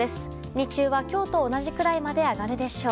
日中は今日と同じぐらいまで上がるでしょう。